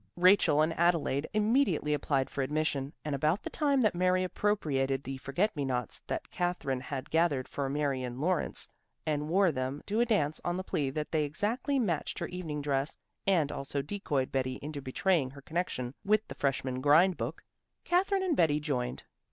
Rachel and Adelaide immediately applied for admission, and about the time that Mary appropriated the forget me nots that Katherine had gathered for Marion Lawrence and wore them to a dance on the plea that they exactly matched her evening dress, and also decoyed Betty into betraying her connection with the freshman grind book, Katherine and Betty joined.